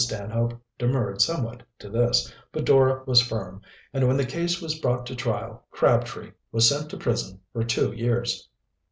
Stanhope demurred somewhat to this, but Dora was firm, and when the case was brought to trial Crabtree was sent to prison for two years.